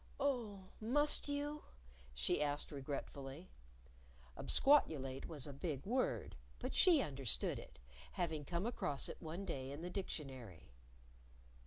"Oh, must you?" she asked regretfully. Absquatulate was a big word, but she understood it, having come across it one day in the Dictionary.